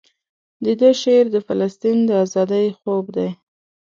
دده شعر د فلسطین د ازادۍ خوب دی.